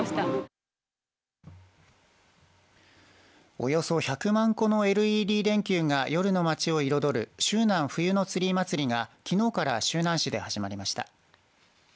およそ１００万個のＬＥＤ電球が夜の街を彩る周南冬のツリーまつりがきのうから周南市で始まりました。